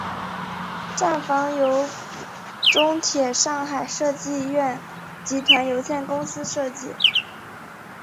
站房由中铁上海设计院集团有限公司设计。